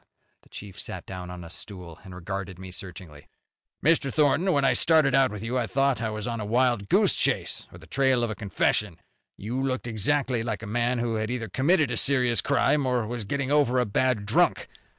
The chief sat down on a stool and regarded me searchingly. "Mr. Thornton, when I started out with you, I thought I was on a wild goose chase or the trail of a confession. You looked exactly like a man who had either committed a serious crime, or was getting over a bad drunk.